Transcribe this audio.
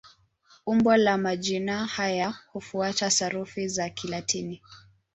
Umbo la majina haya hufuata sarufi ya Kilatini.